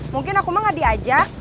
mungkin aku mah gak diajak